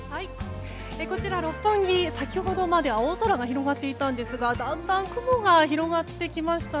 六本木、先ほどまで青空が広がっていたんですがだんだん雲が広がってきました。